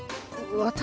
私？